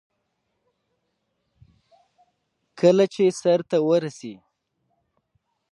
ډېر کسان د هغه په مرسته د پیسو څښتنان شول